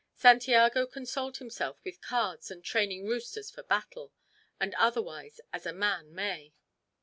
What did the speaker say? Santiago consoled himself with cards and training roosters for battle, and otherwise as a man may.